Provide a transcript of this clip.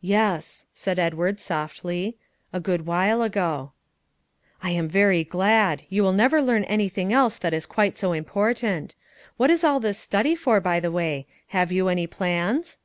"Yes," said Edward softly; "a good while ago." "I am very glad; you will never learn anything else that is quite so important. What is all the study for, by the way? Have you any plans.'"